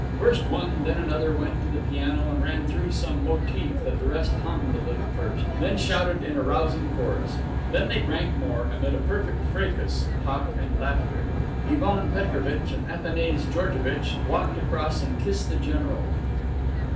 First one, then another went to the piano and ran through some motif that the rest hummed a little first, then shouted in a rousing chorus. Then they drank more, amid a perfect fracas of talk and laughter. Ivan Petrovitch and Athanase Georgevitch walked across and kissed the general.